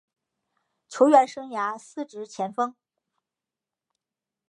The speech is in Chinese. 球员生涯司职前锋。